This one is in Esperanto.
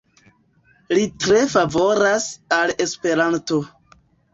Li tre favoras al Esperanto.